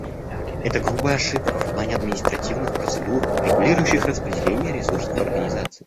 Это грубая ошибка в плане административных процедур, регулирующих распределение ресурсов Организации.